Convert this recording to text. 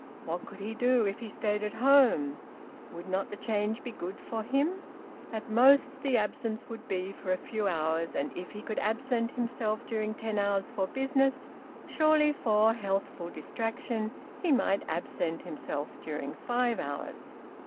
What could he do if he stayed at home? Would not the change be good for him? At most the absence would be for a few hours, and if he could absent himself during ten hours for business, surely for healthful distraction he might absent himself during five hours!